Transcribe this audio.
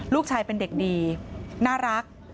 ลูกชายเป็นเด็กดีน่ารัก